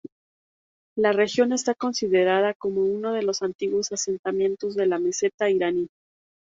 La región está considerada como uno de los antiguos asentamientos de la meseta iraní.